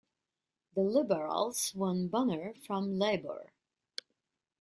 The Liberals won Bonner from Labor.